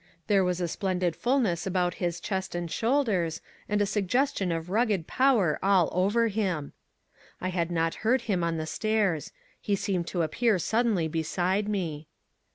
There was a splendid fullness about his chest and shoulders, and a suggestion of rugged power all over him. I had not heard him on the stairs. He seemed to appear suddenly beside me.